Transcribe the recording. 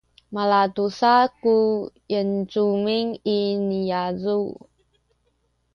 malatusa ku yincumin i niyazu’